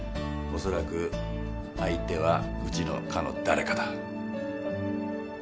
おそらく相手はうちの課の誰かだ。